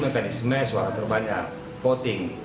mekanisme suara terbanyak voting